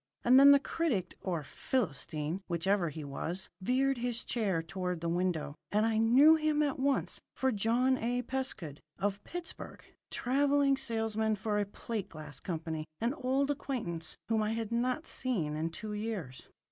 And then the critic or Philistine, whichever he was, veered his chair toward the window, and I knew him at once for John A. Pescud, of Pittsburgh, travelling salesman for a plate glass company an old acquaintance whom I had not seen in two years.